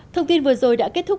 thông tin vừa rồi đã kết thúc